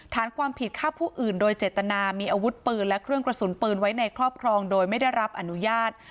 ฐานความผิดฆ่าผู้อื่นโดยเจตนามีอาวุธปืนและเครื่องกระสุนปืนไว้ในครอบครองโดยไม่ได้รับอนุญาต